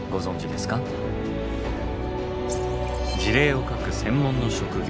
辞令を書く専門の職業